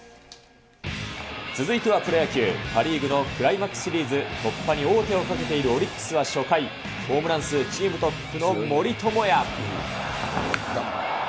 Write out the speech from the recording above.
続いてはプロ野球、パ・リーグのクライマックスシリーズ、突破に王手をかけているオリックスは初回、ホームラン数チームトップの森友哉。